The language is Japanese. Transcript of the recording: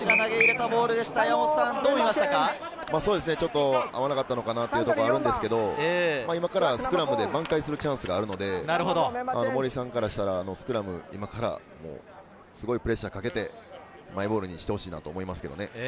ちょっと合わなかったのかなというところはあるんですけれど、今からスクラムで挽回するチャンスがあるので、森さんからしたら、スクラム今からすごいプレッシャーをかけて、マイボールにしてほしいと思います。